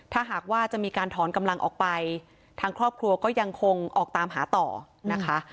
ถ้าหากว่าจะมีการถอนกำลังออกไปทางครอบครัวก็ยังคงออกตามหาต่อนะคะ